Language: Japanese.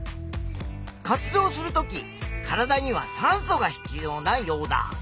活動するとき体には酸素が必要なヨウダ。